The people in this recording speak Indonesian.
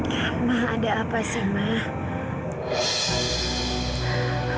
mama ada apa sih mama